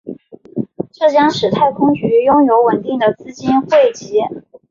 这将使太空局拥有稳定的资金汇集。